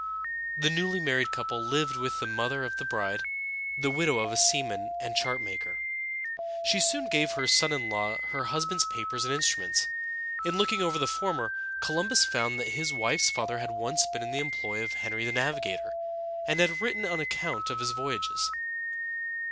The newly married couple lived with the mother of the bride, the widow of a seaman and chart maker. She soon gave her son in law her husband's papers and instruments. In looking over the former, Columbus found that his wife's father had once been in the employ of Henry the Navigator, and had written an account of his voyages.